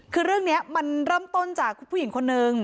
คือเรื่องนี้มันเริ่มต้นจากผู้หญิงคนนึง